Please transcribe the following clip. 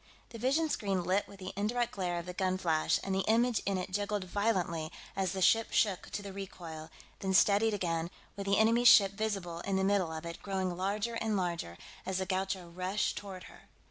The vision screen lit with the indirect glare of the gun flash, and the image in it jiggled violently as the ship shook to the recoil, then steadied again, with the enemy ship visible in the middle of it, growing larger and larger as the Gaucho rushed toward her.